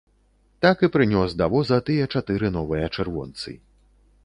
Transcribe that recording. Так і прынёс да воза тыя чатыры новыя чырвонцы.